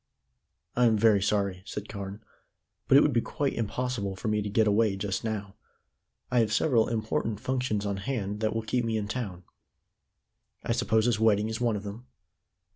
"I am very sorry," said Carne, "but it would be quite impossible for me to get away just now. I have several important functions on hand that will keep me in town." "I suppose this wedding is one of them?"